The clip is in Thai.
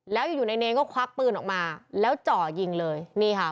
แล้วอยู่อยู่ในเนรก็ควักปืนออกมาแล้วจ่อยิงเลยนี่ค่ะ